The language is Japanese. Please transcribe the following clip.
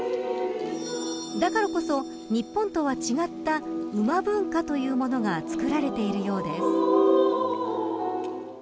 ［だからこそ日本とは違った馬文化というものがつくられているようです］